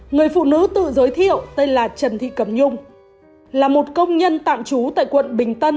người phụ nữ tự giới thiệu tên là trần thị cẩm nhung là một công nhân tạm trú tại quận bình tân